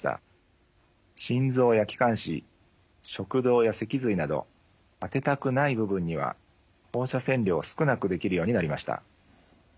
心臓や気管支食道や脊髄など当てたくない部分には放射線量を少なくできるようになりました。